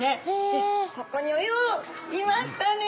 でここにおっいましたね。